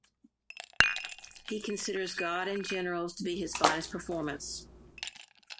He considers "Gods and Generals" to be his finest performance.